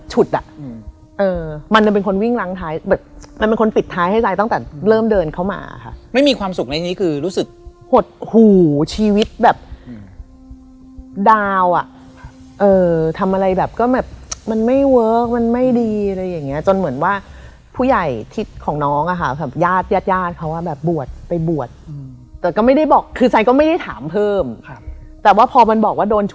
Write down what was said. จะไปออกรายการจะไปกรอบโกยเอาเงินจากเกมโชว์